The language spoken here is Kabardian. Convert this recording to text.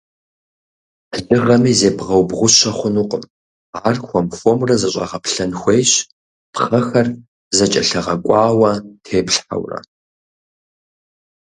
Лыгъэми зебгъэубгъущэ хъунукъым, ар хуэм-хуэмурэ зэщӀэгъэплъэн хуейщ, пхъэхэр зэкӀэлъыгъэкӀуауэ теплъхьэурэ.